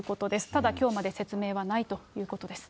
ただ、きょうまで説明はないということです。